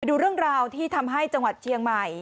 ดูเรื่องราวที่ทำให้จังหวัดเชียงใหม่